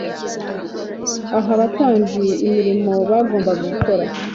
Aha abatambyi imirimo bagomba gukora